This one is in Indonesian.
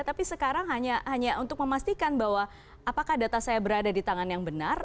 tapi sekarang hanya untuk memastikan bahwa apakah data saya berada di tangan yang benar